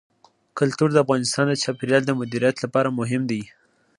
کلتور د افغانستان د چاپیریال د مدیریت لپاره مهم دي.